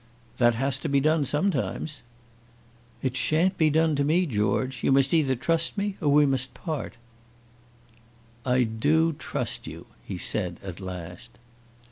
"That has to be done sometimes." "It sha'n't be done to me, George. You must either trust me, or we must part." "I do trust you," he said, at last.